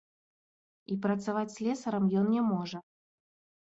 І працаваць слесарам ён не можа.